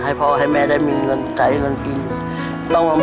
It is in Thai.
ให้พ่อให้แม่ได้มีเหินไขก่อนกิน